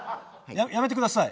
やめてください。